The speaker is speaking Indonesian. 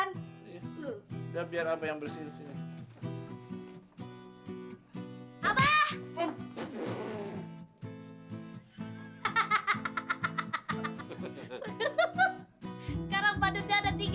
udah biar abah yang bersih bersih